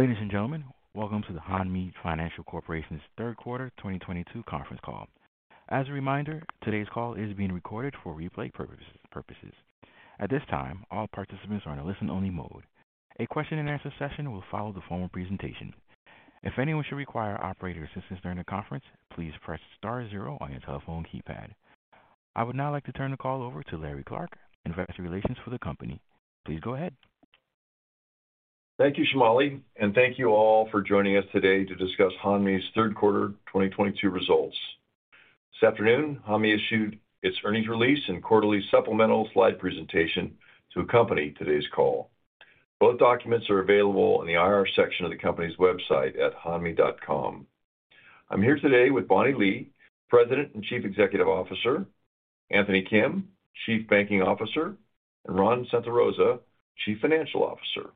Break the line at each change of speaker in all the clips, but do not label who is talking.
Ladies and gentlemen, welcome to the Hanmi Financial Corporation's third quarter 2022 conference call. As a reminder, today's call is being recorded for replay purposes. At this time, all participants are in a listen-only mode. A question-and-answer session will follow the formal presentation. If anyone should require operator assistance during the conference, please press star zero on your telephone keypad. I would now like to turn the call over to Larry Clark, Investor Relations for the company. Please go ahead.
Thank you, Shamali, and thank you all for joining us today to discuss Hanmi's third quarter 2022 results. This afternoon, Hanmi issued its earnings release and quarterly supplemental slide presentation to accompany today's call. Both documents are available in the IR section of the company's website at hanmi.com. I'm here today with Bonnie Lee, President and Chief Executive Officer, Anthony Kim, Chief Banking Officer, and Ron Santarosa, Chief Financial Officer.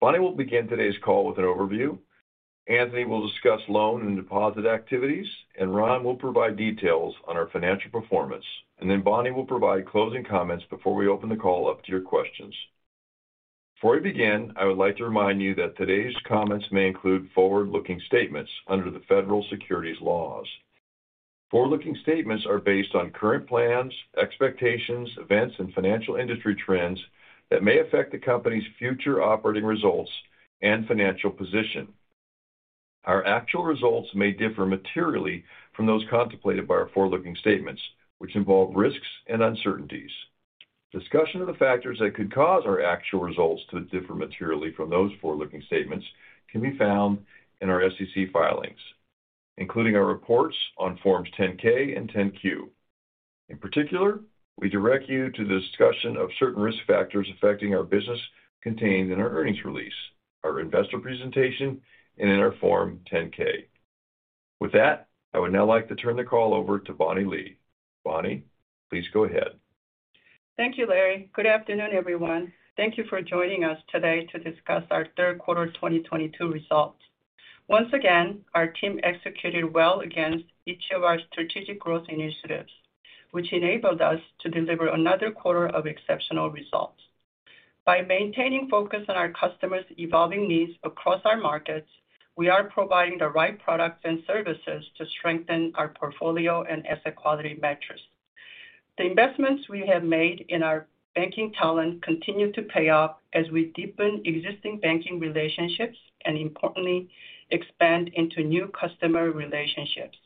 Bonnie will begin today's call with an overview. Anthony will discuss loan and deposit activities, and Ron will provide details on our financial performance. And Bonnie will provide closing comments before we open the call up to your questions. Before we begin, I would like to remind you that today's comments may include forward-looking statements under the federal securities laws. Forward-looking statements are based on current plans, expectations, events, and financial industry trends that may affect the company's future operating results and financial position. Our actual results may differ materially from those contemplated by our forward-looking statements, which involve risks and uncertainties. Discussion of the factors that could cause our actual results to differ materially from those forward-looking statements can be found in our SEC filings, including our reports on Forms 10-K and 10-Q. In particular, we direct you to the discussion of certain risk factors affecting our business contained in our earnings release, our investor presentation, and in our Form 10-K. With that, I would now like to turn the call over to Bonnie Lee. Bonnie, please go ahead.
Thank you, Larry. Good afternoon, everyone. Thank you for joining us today to discuss our third quarter 2022 results. Once again, our team executed well against each of our strategic growth initiatives, which enabled us to deliver another quarter of exceptional results. By maintaining focus on our customers' evolving needs across our markets, we are providing the right products and services to strengthen our portfolio and asset quality metrics. The investments we have made in our banking talent continue to pay off as we deepen existing banking relationships and importantly, expand into new customer relationships.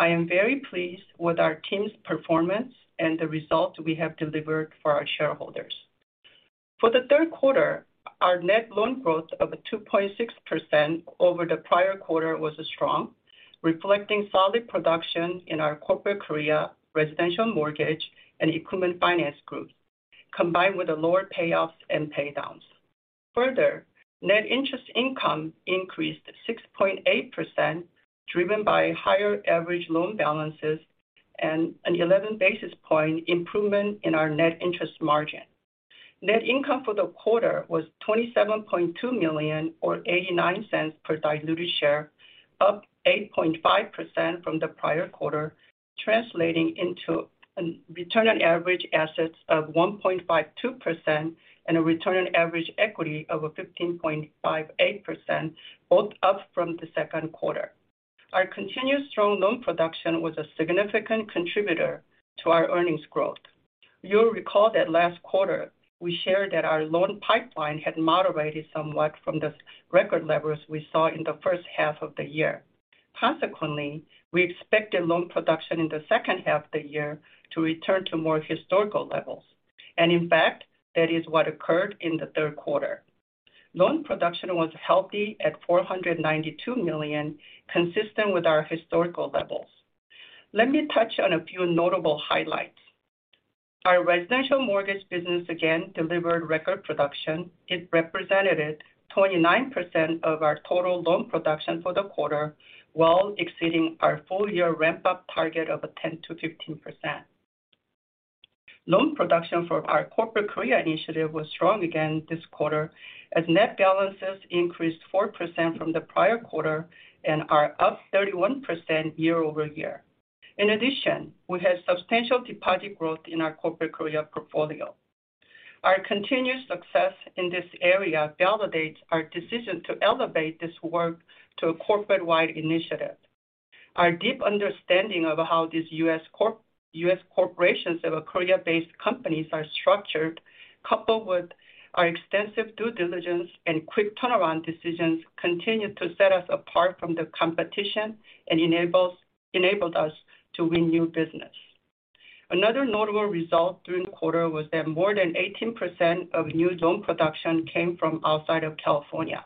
I am very pleased with our team's performance and the results we have delivered for our shareholders. For the third quarter, our net loan growth of 2.6% over the prior quarter was strong, reflecting solid production in our Corporate Korea, residential mortgage, and equipment finance groups, combined with lower payoffs and pay downs. Further, net interest income increased 6.8%, driven by higher average loan balances and an 11 basis point improvement in our net interest margin. Net income for the quarter was $27.2 million or $0.89 per diluted share, up 8.5% from the prior quarter, translating into a return on average assets of 1.52% and a return on average equity of 15.58%, both up from the second quarter. Our continuous strong loan production was a significant contributor to our earnings growth. You'll recall that last quarter, we shared that our loan pipeline had moderated somewhat from the record levels we saw in the first half of the year. Consequently, we expected loan production in the second half of the year to return to more historical levels. In fact, that is what occurred in the third quarter. Loan production was healthy at $492 million, consistent with our historical levels. Let me touch on a few notable highlights. Our residential mortgage business again delivered record production. It represented 29% of our total loan production for the quarter while exceeding our full-year ramp-up target of 10%-15%. Loan production for our Corporate Korea initiative was strong again this quarter as net balances increased 4% from the prior quarter and are up 31% year-over-year. In addition, we had substantial deposit growth in our Corporate Korea portfolio. Our continued success in this area validates our decision to elevate this work to a corporate-wide initiative. Our deep understanding of how these U.S. corporations of Korea-based companies are structured, coupled with our extensive due diligence and quick turnaround decisions, continue to set us apart from the competition and enabled us to win new business. Another notable result during the quarter was that more than 18% of new loan production came from outside of California,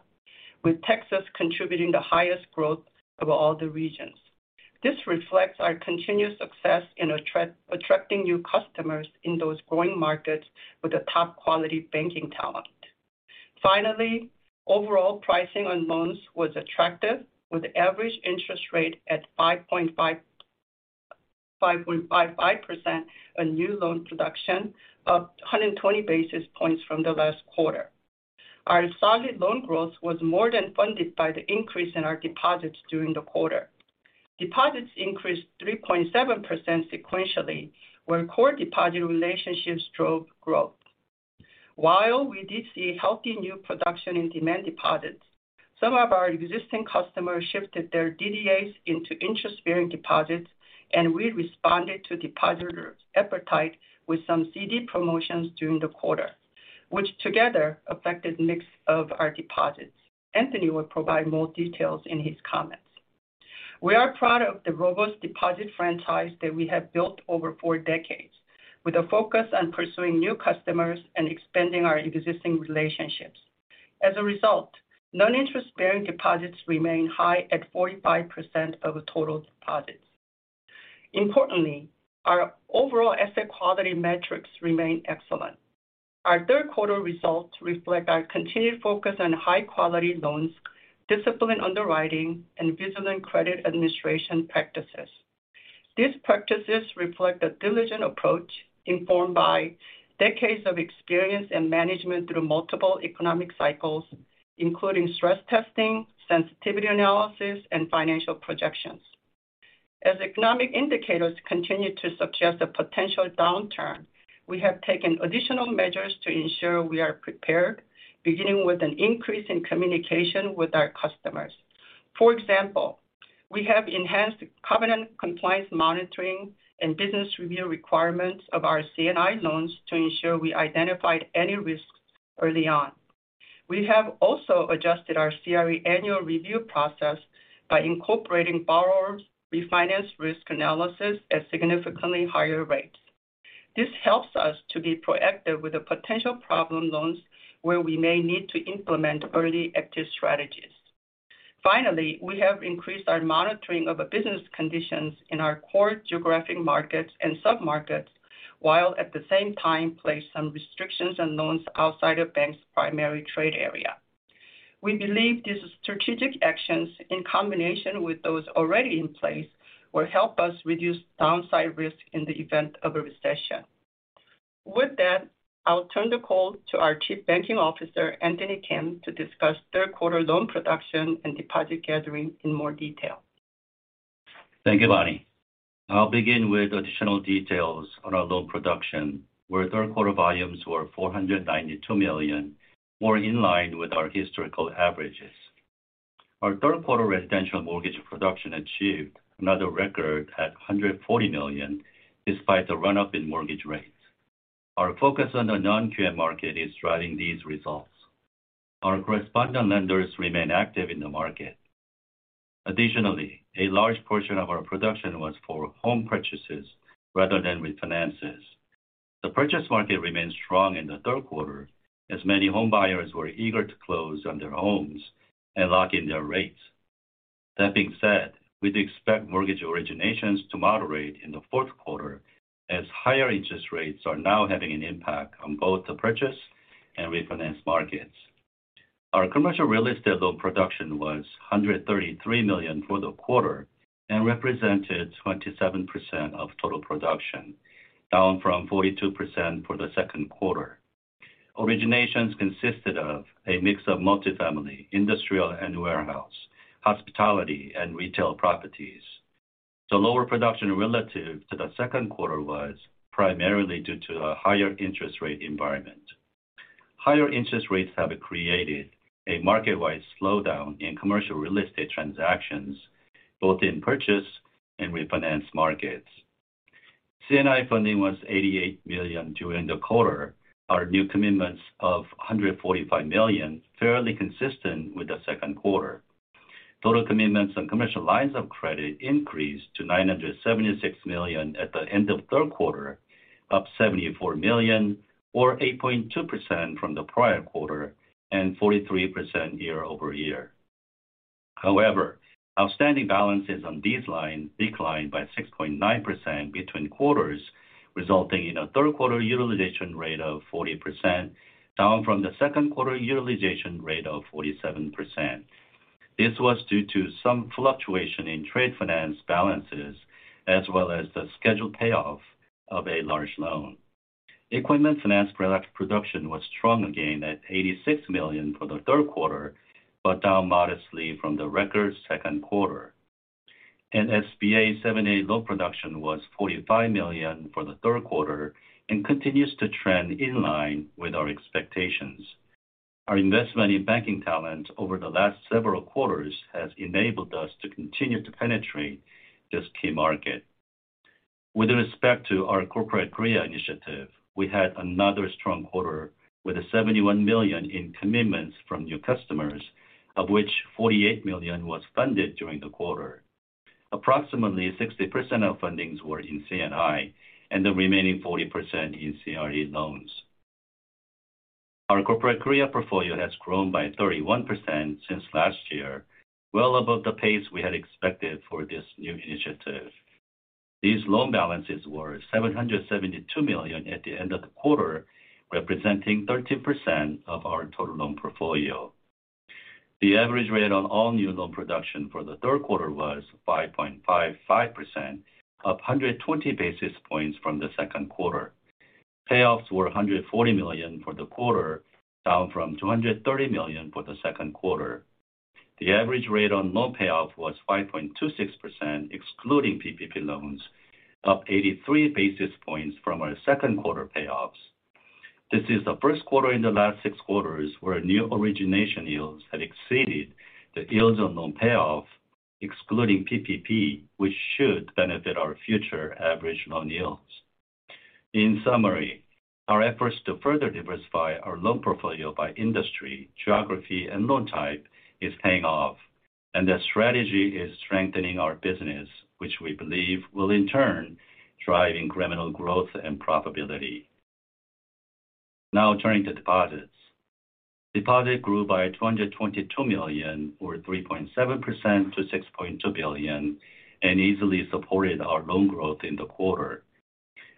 with Texas contributing the highest growth of all the regions. This reflects our continued success in attracting new customers in those growing markets with a top-quality banking talent. Finally, overall pricing on loans was attractive, with average interest rate at 5.55% on new loan production, up 120 basis points from the last quarter. Our solid loan growth was more than funded by the increase in our deposits during the quarter. Deposits increased 3.7% sequentially, where core deposit relationships drove growth. While we did see healthy new production in demand deposits, some of our existing customers shifted their DDAs into interest-bearing deposits, and we responded to depositor appetite with some CD promotions during the quarter which together affected mix of our deposits. Anthony will provide more details in his comments. We are proud of the robust deposit franchise that we have built over four decades, with a focus on pursuing new customers and expanding our existing relationships. As a result, non-interest-bearing deposits remain high at 45% of total deposits. Importantly, our overall asset quality metrics remain excellent. Our third quarter results reflect our continued focus on high quality loans, disciplined underwriting, and vigilant credit administration practices. These practices reflect a diligent approach informed by decades of experience and management through multiple economic cycles, including stress testing, sensitivity analysis, and financial projections. As economic indicators continue to suggest a potential downturn, we have taken additional measures to ensure we are prepared, beginning with an increase in communication with our customers. For example, we have enhanced covenant compliance monitoring and business review requirements of our C&I loans to ensure we identified any risks early on. We have also adjusted our CRE annual review process by incorporating borrowers' refinance risk analysis at significantly higher rates. This helps us to be proactive with the potential problem loans where we may need to implement early active strategies. Finally, we have increased our monitoring of the business conditions in our core geographic markets and submarkets, while at the same time placed some restrictions on loans outside of bank's primary trade area. We believe these strategic actions in combination with those already in place, will help us reduce downside risk in the event of a recession. With that, I'll turn the call to our Chief Banking Officer, Anthony Kim, to discuss third quarter loan production and deposit gathering in more detail.
Thank you, Bonnie. I'll begin with additional details on our loan production, where third quarter volumes were $492 million, more in line with our historical averages. Our third quarter residential mortgage production achieved another record at $140 million despite the run-up in mortgage rates. Our focus on the non-QM market is driving these results. Our correspondent lenders remain active in the market. Additionally, a large portion of our production was for home purchases rather than refinances. The purchase market remained strong in the third quarter as many home buyers were eager to close on their homes and lock in their rates. That being said, we do expect mortgage originations to moderate in the fourth quarter as higher interest rates are now having an impact on both the purchase and refinance markets. Our commercial real estate loan production was $133 million for the quarter and represented 27% of total production, down from 42% for the second quarter. Originations consisted of a mix of multifamily, industrial and warehouse, hospitality and retail properties. The lower production relative to the second quarter was primarily due to a higher interest rate environment. Higher interest rates have created a market-wide slowdown in commercial real estate transactions, both in purchase and refinance markets. C&I funding was $88 million during the quarter. Our new commitments of $145 million, fairly consistent with the second quarter. Total commitments on commercial lines of credit increased to $976 million at the end of third quarter, up $74 million or 8.2% from the prior quarter and 43% year-over-year. However, outstanding balances on these lines declined by 6.9% between quarters, resulting in a third quarter utilization rate of 40%, down from the second quarter utilization rate of 47%. This was due to some fluctuation in trade finance balances as well as the scheduled payoff of a large loan. Equipment finance product production was strong again at $86 million for the third quarter but down modestly from the record second quarter. SBA 7(a) loan production was $45 million for the third quarter and continues to trend in line with our expectations. Our investment in banking talent over the last several quarters has enabled us to continue to penetrate this key market. With respect to our Corporate Korea initiative, we had another strong quarter with $71 million in commitments from new customers, of which $48 million was funded during the quarter. Approximately 60% of fundings were in C&I and the remaining 40% in CRE loans. Our Corporate Korea portfolio has grown by 31% since last year, well above the pace we had expected for this new initiative. These loan balances were $772 million at the end of the quarter, representing 13% of our total loan portfolio. The average rate on all new loan production for the third quarter was 5.55%, up 120 basis points from the second quarter. Payoffs were $140 million for the quarter, down from $230 million for the second quarter. The average rate on loan payoff was 5.26%, excluding PPP loans, up to 83 basis points from our second quarter payoffs. This is the first quarter in the last six quarters where new origination yields have exceeded the yields on loan payoff, excluding PPP, which should benefit our future average loan yields. In summary, our efforts to further diversify our loan portfolio by industry, geography, and loan type is paying off, and that strategy is strengthening our business, which we believe will in turn drive incremental growth and profitability. Now turning to deposits. Deposits grew by $222 million or 3.7% to $6.2 billion and easily supported our loan growth in the quarter.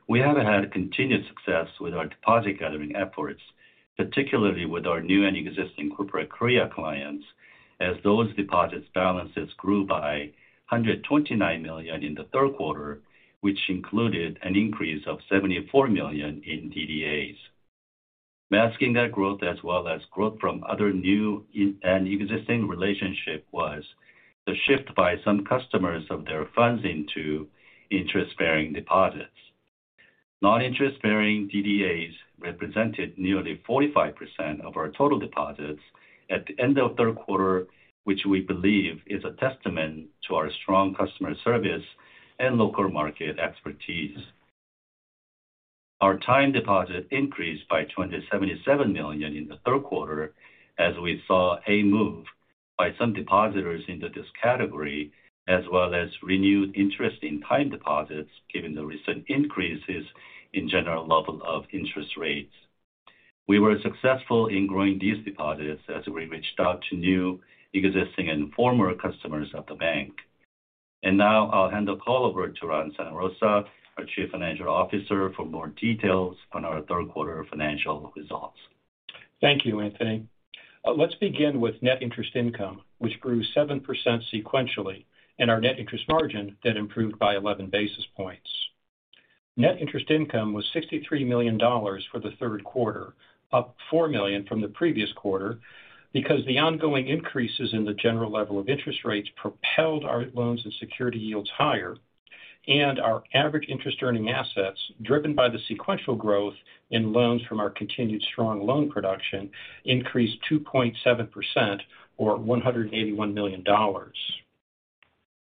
We have had continued success with our deposit gathering efforts, particularly with our new and existing Corporate Korea clients as those deposits balances grew by $129 million in the third quarter, which included an increase of $74 million in DDAs. Masking that growth as well as growth from other new and existing relationships was the shift by some customers of their funds into interest-bearing deposits. Non-interest-bearing DDAs represented nearly 45% of our total deposits at the end of third quarter, which we believe is a testament to our strong customer service and local market expertise. Our time deposit increased by $277 million in the third quarter as we saw a move by some depositors into this category, as well as renewed interest in time deposits given the recent increases in general level of interest rates. We were successful in growing these deposits as we reached out to new, existing, and former customers of the bank. And now I'll hand the call over to Romolo Santarosa, our Chief Financial Officer, for more details on our third quarter financial results.
Thank you, Anthony. Let's begin with net interest income, which grew 7% sequentially, and our net interest margin that improved by 11 basis points. Net interest income was $63 million for the third quarter, up $4 million from the previous quarter because the ongoing increases in the general level of interest rates propelled our loans and security yields higher and our average interest earning assets, driven by the sequential growth in loans from our continued strong loan production, increased 2.7% or $181 million.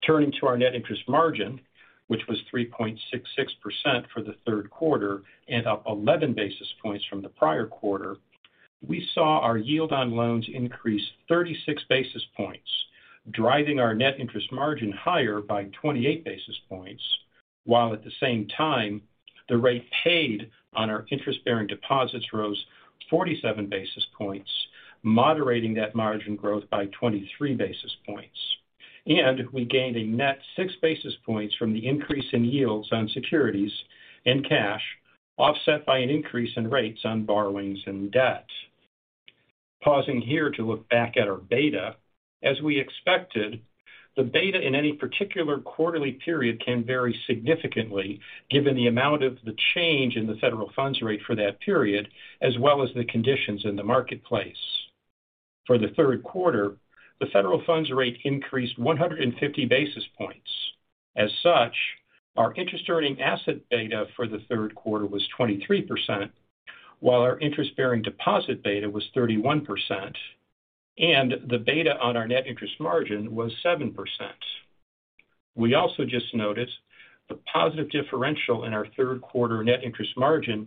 Turning to our net interest margin, which was 3.66% for the third quarter and up 11 basis points from the prior quarter, we saw our yield on loans increase 36 basis points, driving our net interest margin higher by 28 basis points, while at the same time the rate paid on our interest-bearing deposits rose 47 basis points, moderating that margin growth by 23 basis points. We gained a net 6 basis points from the increase in yields on securities and cash, offset by an increase in rates on borrowings and debt. Pausing here to look back at our beta. As we expected, the beta in any particular quarterly period can vary significantly given the amount of the change in the federal funds rate for that period as well as the conditions in the marketplace. For the third quarter, the federal funds rate increased 150 basis points. As such, our interest earning asset beta for the third quarter was 23%, while our interest-bearing deposit beta was 31%, and the beta on our net interest margin was 7%. We also just noticed the positive differential in our third quarter net interest margin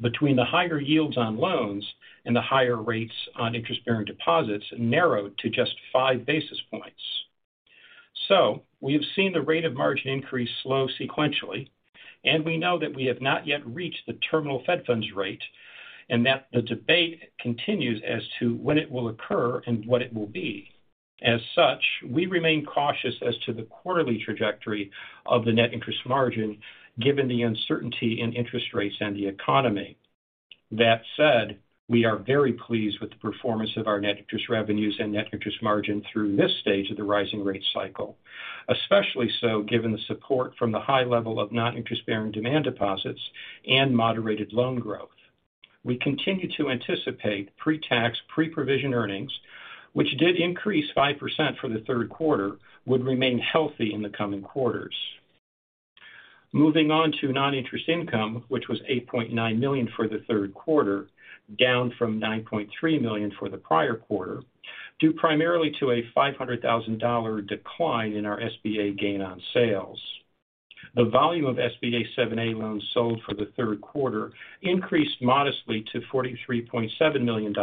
between the higher yields on loans and the higher rates on interest-bearing deposits narrowed to just 5 basis points. We have seen the rate of margin increase slow sequentially, and we know that we have not yet reached the terminal Fed funds rate and that the debate continues as to when it will occur and what it will be. As such, we remain cautious as to the quarterly trajectory of the net interest margin given the uncertainty in interest rates and the economy. That said, we are very pleased with the performance of our net interest revenues and net interest margin through this stage of the rising rate cycle, especially so given the support from the high level of non-interest-bearing demand deposits and moderated loan growth. We continue to anticipate pre-tax, pre-provision earnings, which did increase 5% for the third quarter, would remain healthy in the coming quarters. Moving on to non-interest income, which was $8.9 million for the third quarter, down from $9.3 million for the prior quarter, due primarily to a $500,000 decline in our SBA gain on sales. The volume of SBA 7(a) loans sold for the third quarter increased modestly to $43.7 million,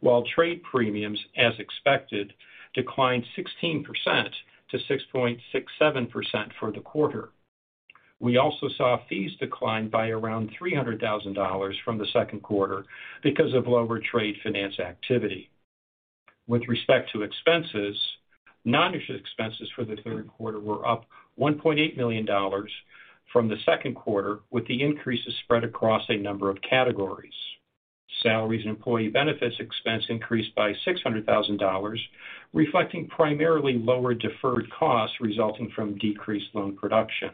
while trade premiums, as expected, declined 16% to 6.67% for the quarter. We also saw fees decline by around $300,000 from the second quarter because of lower trade finance activity. With respect to expenses, non-interest expenses for the third quarter were up $1.8 million from the second quarter, with the increases spread across a number of categories. Salaries and employee benefits expense increased by $600,000, reflecting primarily lower deferred costs resulting from decreased loan production.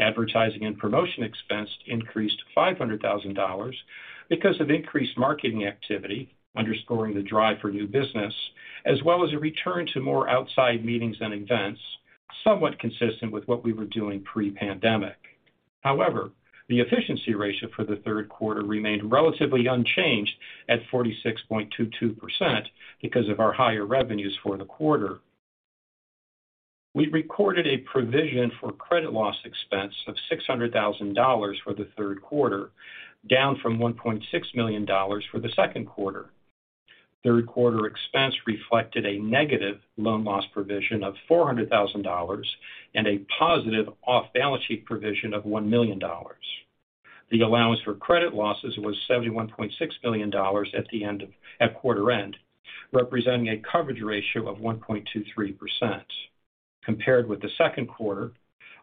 Advertising and promotion expense increased $500,000 because of increased marketing activity, underscoring the drive for new business, as well as a return to more outside meetings and events, somewhat consistent with what we were doing pre-pandemic. However, the efficiency ratio for the third quarter remained relatively unchanged at 46.22% because of our higher revenues for the quarter. We recorded a provision for credit loss expense of $600,000 for the third quarter, down from $1.6 million for the second quarter. Third quarter expense reflected a negative loan loss provision of $400,000 and a positive off-balance sheet provision of $1 million. The allowance for credit losses was $71.6 million at the end at quarter end representing a coverage ratio of 1.23%. Compared with the second quarter,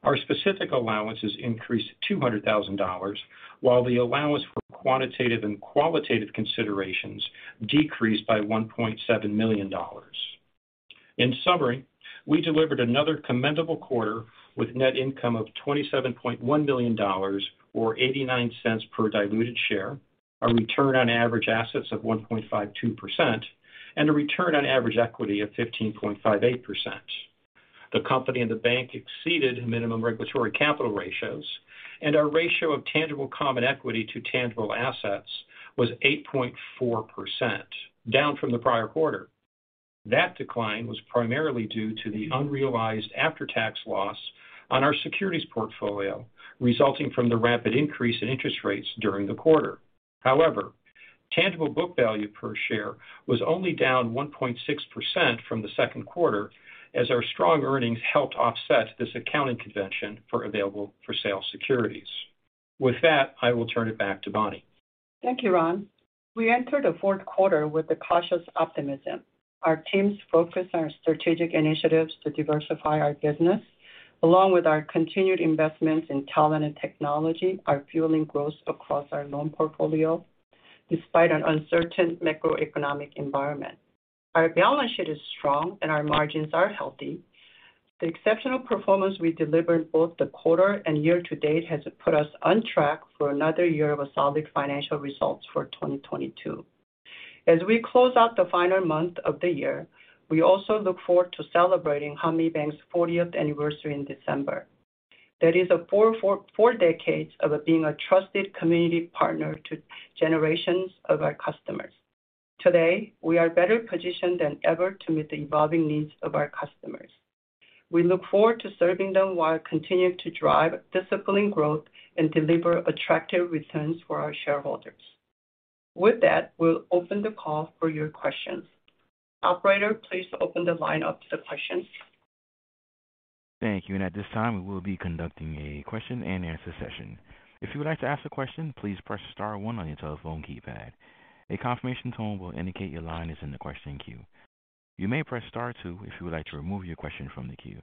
our specific allowances increased $200,000, while the allowance for quantitative and qualitative considerations decreased by $1.7 million. In summary, we delivered another commendable quarter with net income of $27.1 million or $0.89 per diluted share, a return on average assets of 1.52%, and a return on average equity of 15.58%. The company and the bank exceeded minimum regulatory capital ratios, and our ratio of tangible common equity to tangible assets was 8.4%, down from the prior quarter. That decline was primarily due to the unrealized after-tax loss on our securities portfolio, resulting from the rapid increase in interest rates during the quarter. However, tangible book value per share was only down 1.6% from the second quarter as our strong earnings helped offset this accounting convention for available-for-sale securities. With that, I will turn it back to Bonnie.
Thank you, Ron. We enter the fourth quarter with a cautious optimism. Our team's focus on our strategic initiatives to diversify our business, along with our continued investments in talent and technology, are fueling growth across our loan portfolio despite an uncertain macroeconomic environment. Our balance sheet is strong, and our margins are healthy. The exceptional performance we delivered both the quarter and year to date has put us on track for another year of a solid financial results for 2022. As we close out the final month of the year, we also look forward to celebrating Hanmi Bank's fortieth anniversary in December. That is four decades of being a trusted community partner to generations of our customers. Today, we are better positioned than ever to meet the evolving needs of our customers. We look forward to serving them while continuing to drive disciplined growth and deliver attractive returns for our shareholders. With that, we'll open the call for your questions. Operator, please open the line up to questions.
Thank you. At this time, we will be conducting a question-and-answer session. If you would like to ask a question, please press star one on your telephone keypad. A confirmation tone will indicate your line is in the question queue. You may press star two if you would like to remove your question from the queue.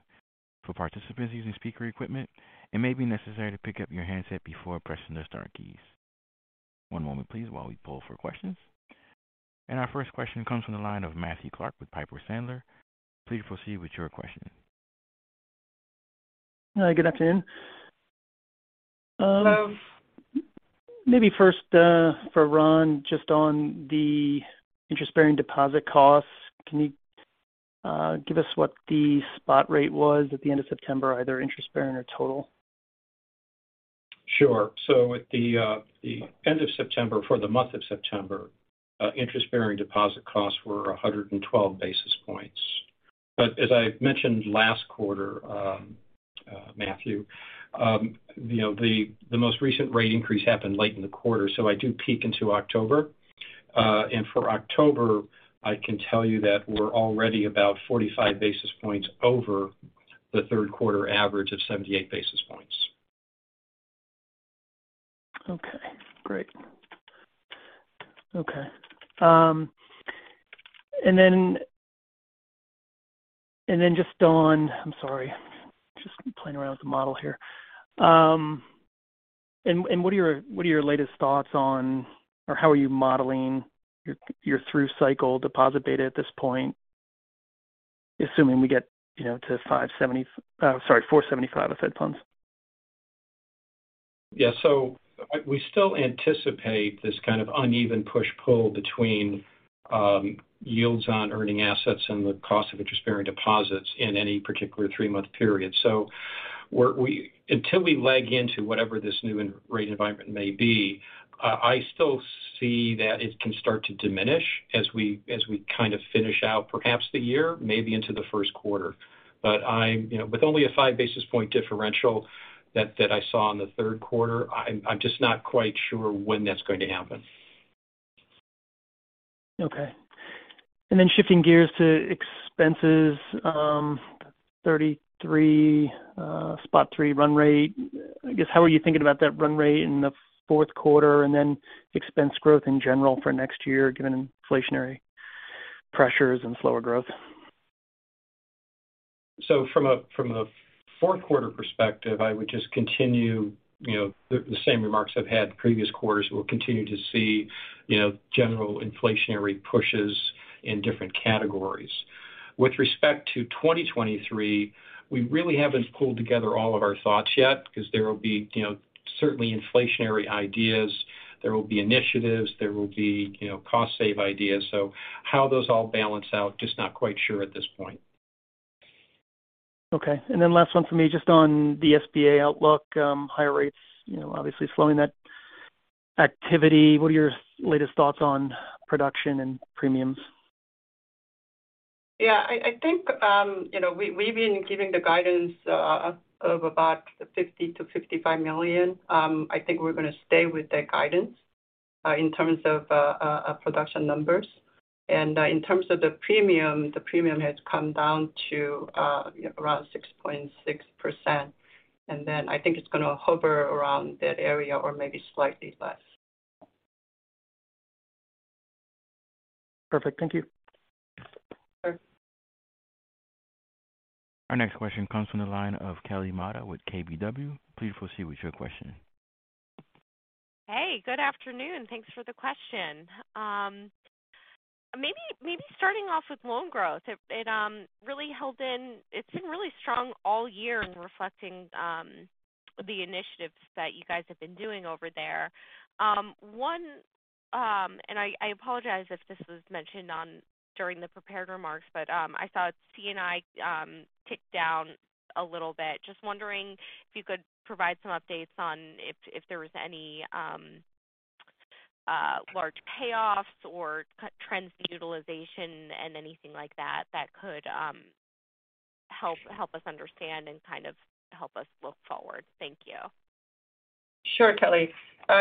For participants using speaker equipment, it may be necessary to pick up your handset before pressing the star keys. One moment please while we poll for questions. Our first question comes from the line of Matthew Clark with Piper Sandler. Please proceed with your question.
Hi, good afternoon.
Hello.
Maybe first, for Ron, just on the interest-bearing deposit costs. Can you give us what the spot rate was at the end of September, either interest bearing or total?
Sure. So at the end of September for the month of September, interest-bearing deposit costs were 112 basis points. As I mentioned last quarter, Matthew, the most recent rate increase happened late in the quarter so I do peek into October. For October, I can tell you that we're already about 45 basis points over the third quarter average of 78 basis points.
Okay, great. I'm sorry, just playing around with the model here. What are your latest thoughts on or how are you modeling your through cycle deposit beta at this point, assuming we get, you know, to 4.75% Fed funds?
Yeah. We still anticipate this kind of uneven push-pull between yields on earning assets and the cost of interest-bearing deposits in any particular three-month period. Until we leg into whatever this new interest rate environment may be, I still see that it can start to diminish as we kind of finish out perhaps the year, maybe into the first quarter. You know with only a 5 basis point differential that I saw in the third quarter, I'm just not quite sure when that's going to happen.
Okay. Shifting gears to expenses, 33.3 run rate. I guess, how are you thinking about that run rate in the fourth quarter and then expense growth in general for next year, given inflationary pressures and slower growth?
From a fourth quarter perspective, I would just continue, you know, the same remarks I've made in previous quarters. We'll continue to see, you know, general inflationary pushes in different categories. With respect to 2023, we really haven't pulled together all of our thoughts yet because there will be, you know, certainly inflationary ideas. There will be initiatives, there will be, you know, cost-saving ideas. How those all balance out, I'm just not quite sure at this point.
Okay. Last one for me, just on the SBA outlook, higher rates, you know, obviously slowing that activity. What are your latest thoughts on production and premiums?
Yeah, I think, you know, we've been giving the guidance of about $50 million-$55 million. I think we're gonna stay with that guidance in terms of production numbers. In terms of the premium, the premium has come down to around 6.6%. And then I think it's gonna hover around that area or maybe slightly less.
Perfect. Thank you.
Sure.
Our next question comes from the line of Kelly Motta with KBW. Please proceed with your question.
Hey, good afternoon. Thanks for the question. Maybe starting off with loan growth. It really held in. It's been really strong all year in reflecting the initiatives that you guys have been doing over there. I apologize if this was mentioned during the prepared remarks, but I saw C&I tick down a little bit. Just wondering if you could provide some updates on if there was any large payoffs or trends in utilization and anything like that that could help us understand and kind of help us look forward. Thank you.
Sure, Kelly.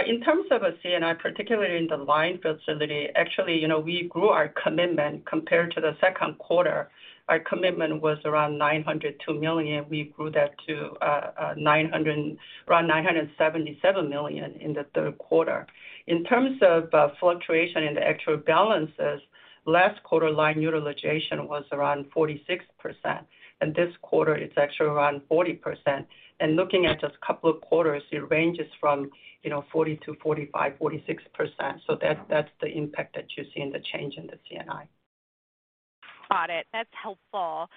In terms of a C&I, particularly in the line facility, actually, you know, we grew our commitment compared to the second quarter. Our commitment was around $902 million. We grew that to around $977 million in the third quarter. In terms of fluctuation in the actual balances, last quarter line utilization was around 46%, and this quarter it's actually around 40%. Looking at just a couple of quarters, it ranges from, you know, 40%-45%, 46%. That's the impact that you see in the change in the C&I.
Got it. That's helpful.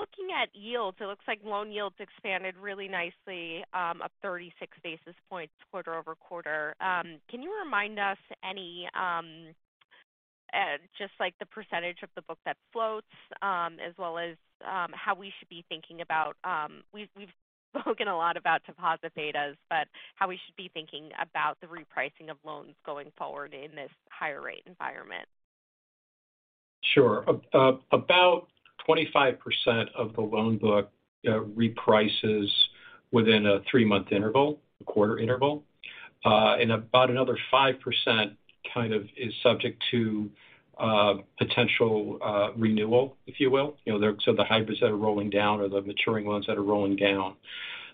Looking at yields, it looks like loan yields expanded really nicely, up 36 basis points quarter-over-quarter. Can you remind us, just like the percentage of the book that floats, as well as how we should be thinking about, we've spoken a lot about deposit betas, but how we should be thinking about the repricing of loans going forward in this higher rate environment?
Sure. About 25% of the loan book reprices within a three-month interval, a quarter interval. About another 5% kind of is subject to potential renewal, if you will. You know, the HELOCs that are rolling down or the maturing loans that are rolling down.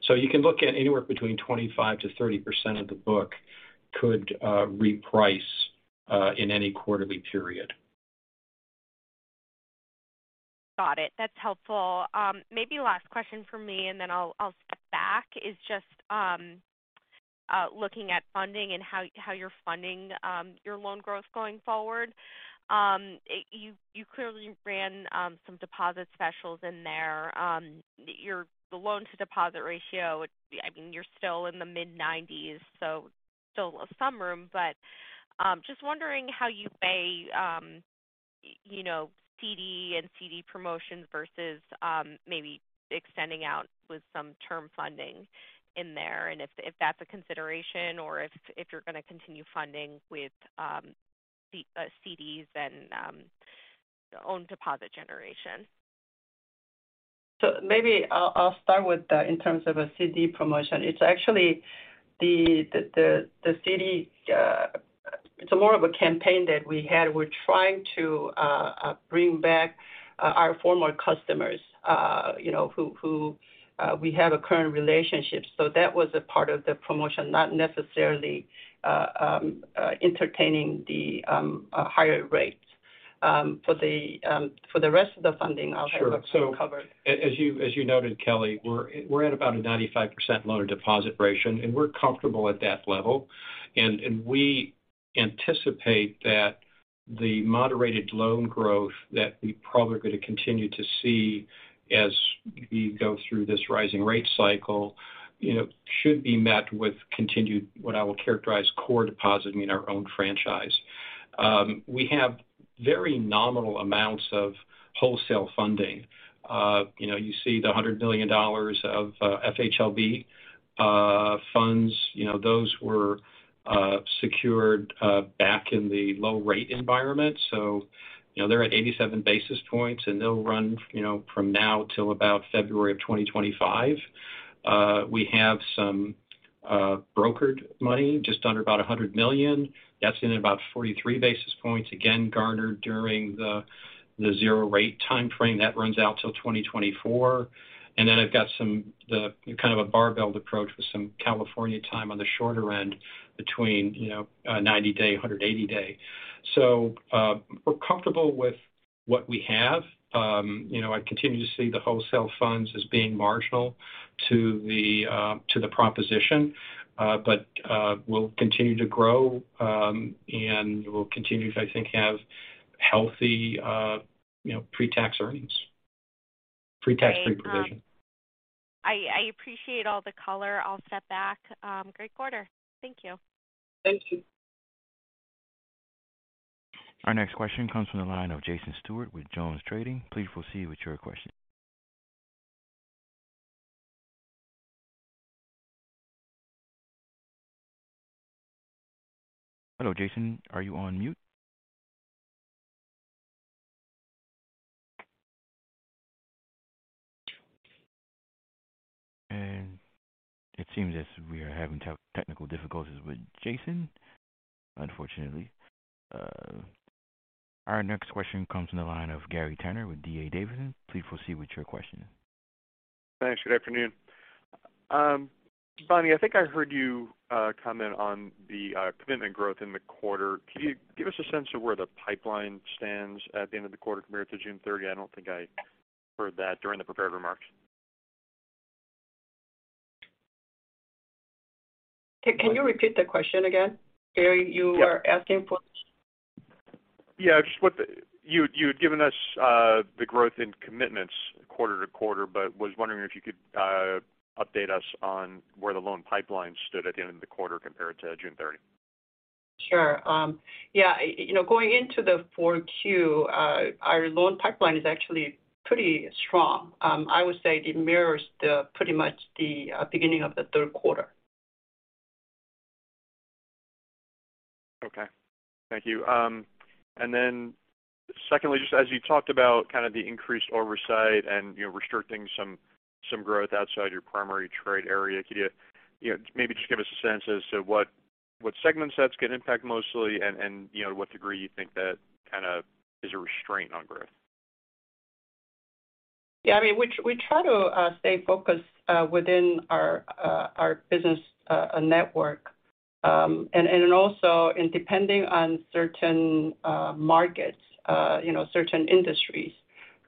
You can look at anywhere between 25%-30% of the book could reprice in any quarterly period.
Got it. That's helpful. Maybe last question from me and then I'll step back is just looking at funding and how you're funding your loan growth going forward. You clearly ran some deposit specials in there. Your loan to deposit ratio, it's I mean, you're still in the mid-90s, so still some room. Just wondering how you weigh you know, CD and CD promotions versus maybe extending out with some term funding in there and if that's a consideration or if you're gonna continue funding with CDs and ongoing deposit generation.
Maybe I'll start with in terms of a CD promotion. It's actually a it's more of a campaign that we had. We're trying to bring back our former customers, you know, who we have a current relationship. That was a part of the promotion, not necessarily entertaining the higher rates. For the rest of the funding I'll have Ron Santarosa cover.
Sure. As you noted, Kelly, we're at about a 95% loan deposit ratio, and we're comfortable at that level. We anticipate that the moderated loan growth that we're probably gonna continue to see as we go through this rising rate cycle, you know, should be met with continued, what I will characterize, core deposit, I mean, our own franchise. We have very nominal amounts of wholesale funding. You know, you see the $100 million of FHLB funds. You know, those were secured back in the low rate environment. You know, they're at 87 basis points, and they'll run, you know, from now till about February of 2025. We have some brokered money, just under about a $100 million. That's in about 43 basis points, again, garnered during the zero rate timeframe. That runs out till 2024. Then I've got some, the kind of a barbell approach with some California tax-exempt on the shorter end between, you know, 90-day, 180-day. We're comfortable with what we have, you know, I continue to see the wholesale funds as being marginal to the proposition. But we'll continue to grow, and we'll continue to, I think, have healthy, you know, pre-tax earnings, pre-tax pre-provision.
Great. I appreciate all the color. I'll step back. Great quarter. Thank you.
Thank you.
Our next question comes from the line of Jason Stewart with Jones Trading. Please proceed with your question. Hello, Jason, are you on mute? It seems as if we are having technical difficulties with Jason, unfortunately. Our next question comes from the line of Gary Tenner with D.A. Davidson. Please proceed with your question.
Thanks. Good afternoon. Bonnie, I think I heard you comment on the commitment growth in the quarter. Can you give us a sense of where the pipeline stands at the end of the quarter compared to June 30? I don't think I heard that during the prepared remarks.
Can you repeat the question again, Gary?
Yeah.
You are asking for.
You had given us the growth in commitments quarter to quarter, but was wondering if you could update us on where the loan pipeline stood at the end of the quarter compared to June 30.
Sure. Yeah, you know, going into the 4Q, our loan pipeline is actually pretty strong. I would say it mirrors pretty much the beginning of the third quarter.
Okay. Thank you. Secondly, just as you talked about kind of the increased oversight and, you know, restricting some growth outside your primary trade area, could you know, maybe just give us a sense as to what segments that's gonna impact mostly and, you know, what degree you think that kind of is a restraint on growth?
Yeah, I mean, we try to stay focused within our business network. Also, depending on certain markets, you know, certain industries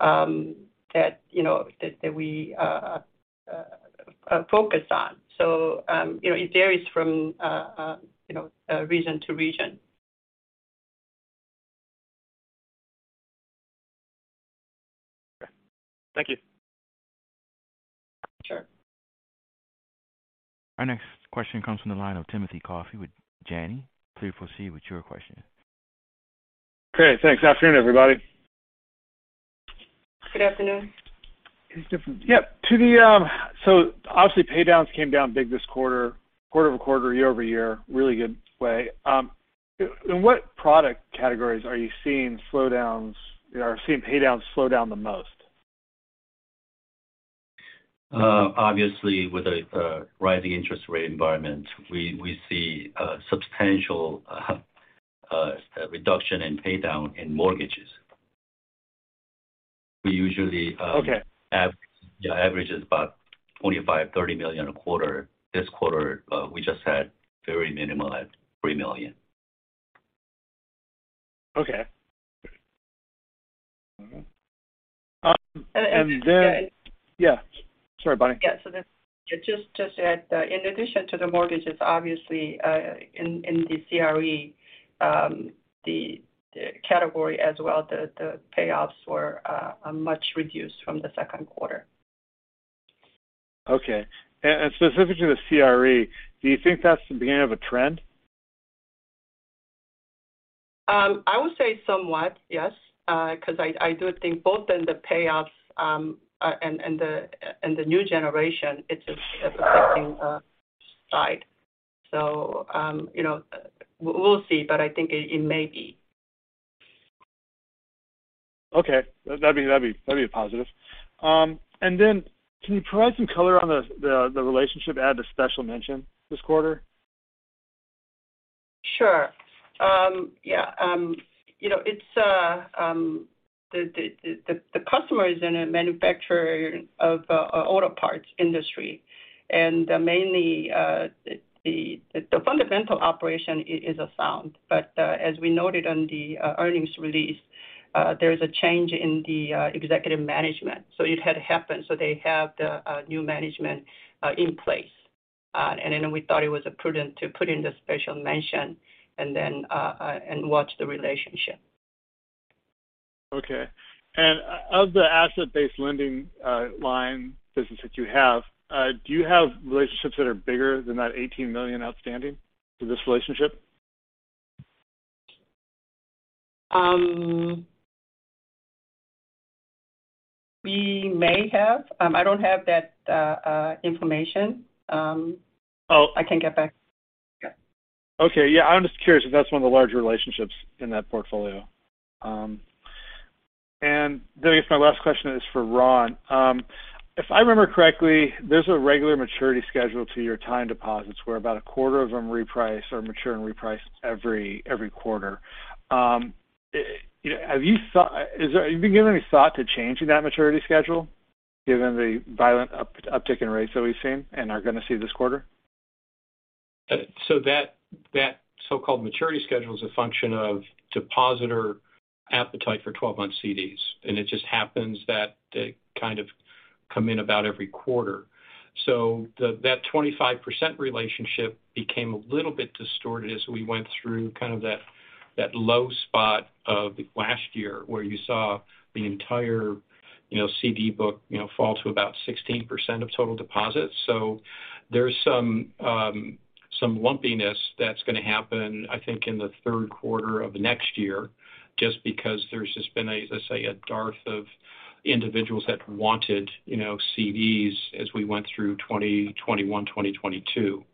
that we focus on. You know, it varies from region to region.
Thank you.
Sure.
Our next question comes from the line of Timothy Coffey with Janney. Please proceed with your question.
Great. Thanks. Afternoon, everybody.
Good afternoon.
Obviously, paydowns came down big this quarter-over-quarter, year-over-year, really good way. In what product categories are you seeing slowdowns or seeing paydowns slow down the most?
Obviously with a rising interest rate environment, we see substantial reduction in paydown in mortgages. We usually
Okay.
Yeah, averages about $25-$30 million a quarter. This quarter, we just had very minimal at $3 million.
Okay.
And, and-
Yeah. Sorry, Bonnie.
Yeah. Just to add, in addition to the mortgages, obviously, in the CRE, the payoffs were much reduced from the second quarter.
Okay. Specifically the CRE, do you think that's the beginning of a trend?
I would say somewhat, yes. Because I do think both in the payoffs and the new origination, it's affecting upside. You know, we'll see, but I think it may be.
Okay. That'd be a positive. Can you provide some color on the relationship and the special mention this quarter?
Sure. Yeah, you know, it's the customer is a manufacturer of auto parts industry. Mainly, the fundamental operation is sound. As we noted on the earnings release, there's a change in the executive management. It had happened. They have the new management in place. We thought it was prudent to put in the special mention and then watch the relationship.
Okay. Of the asset-based lending line business that you have, do you have relationships that are bigger than that $18 million outstanding for this relationship?
We may have. I don't have that information.
Oh.
I can get back.
Okay. Yeah. I'm just curious if that's one of the larger relationships in that portfolio. I guess my last question is for Ron. If I remember correctly, there's a regular maturity schedule to your time deposits, where about a quarter of them reprice or mature and reprice every quarter. Have you given any thought to changing that maturity schedule given the violent uptick in rates that we've seen and are gonna see this quarter?
That so-called maturity schedule is a function of depositor appetite for 12-month CDs. It just happens that they kind of come in about every quarter. That 25% relationship became a little bit distorted as we went through kind of that low spot of last year where you saw the entire, you know, CD book, you know, fall to about 16% of total deposits. There's some lumpiness that's gonna happen, I think, in the third quarter of next year just because there's just been a, let's say, a dearth of individuals that wanted, you know, CDs as we went through 2021, 2022.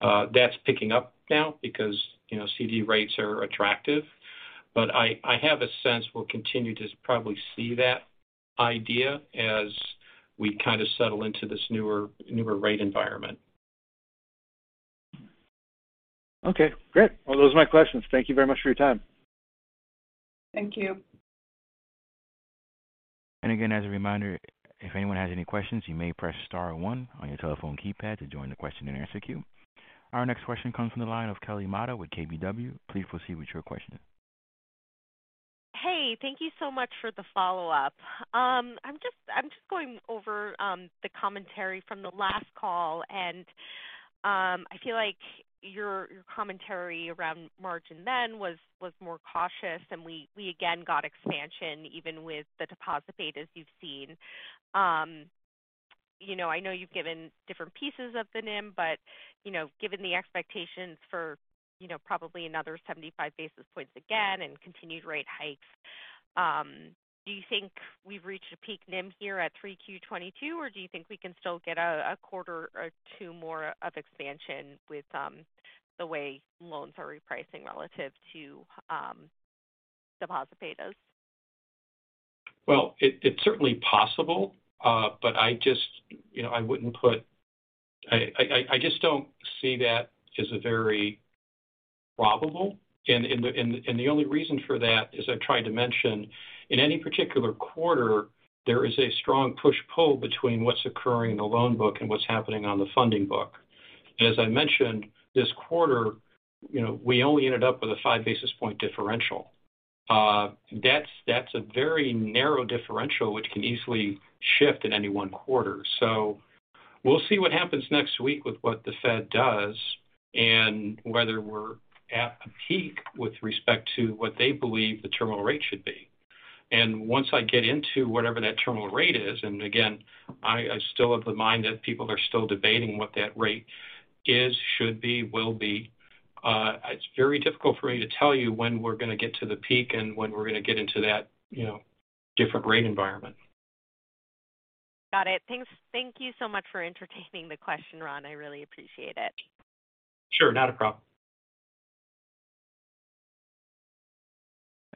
That's picking up now because, you know, CD rates are attractive. I have a sense we'll continue to probably see that idea as we kinda settle into this newer rate environment.
Okay, great. Well, those are my questions. Thank you very much for your time.
Thank you.
Again, as a reminder, if anyone has any questions, you may press star one on your telephone keypad to join the question-and-answer queue. Our next question comes from the line of Kelly Motta with KBW. Please proceed with your question.
Hey, thank you so much for the follow-up. I'm just going over the commentary from the last call and I feel like your commentary around margin then was more cautious and we again got expansion even with the deposit betas you've seen. You know, I know you've given different pieces of the NIM, but you know, given the expectations for you know, probably another 75 basis points again and continued rate hikes, do you think we've reached a peak NIM here at 3Q 2022, or do you think we can still get a quarter or two more of expansion with the way loans are repricing relative to deposit betas?
Well, it's certainly possible, but I just, you know, I just don't see that as very probable. The only reason for that is I've tried to mention in any particular quarter there is a strong push/pull between what's occurring in the loan book and what's happening on the funding book. As I mentioned this quarter, you know, we only ended up with a five basis point differential. That's a very narrow differential, which can easily shift in any one quarter. We'll see what happens next week with what the Fed does and whether we're at a peak with respect to what they believe the terminal rate should be. Once I get into whatever that terminal rate is, and again, I still of the mind that people are still debating what that rate is, should be, will be. It's very difficult for me to tell you when we're gonna get to the peak and when we're gonna get into that, you know, different rate environment.
Got it. Thanks. Thank you so much for entertaining the question, Ron. I really appreciate it.
Sure. Not a problem.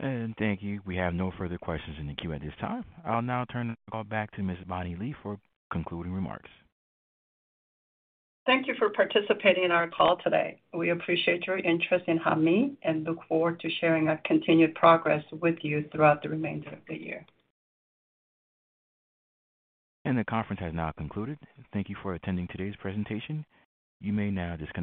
Thank you. We have no further questions in the queue at this time. I'll now turn the call back to Ms. Bonnie Lee for concluding remarks.
Thank you for participating in our call today. We appreciate your interest in Hanmi and look forward to sharing our continued progress with you throughout the remainder of the year.
The conference has now concluded. Thank you for attending today's presentation. You may now disconnect.